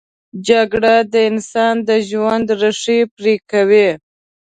جګړه د انسان د ژوند ریښې پرې کوي